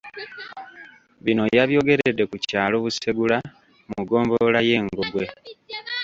Bino yabyogeredde ku kyalo Busegula mu ggombolola y'e Ngogwe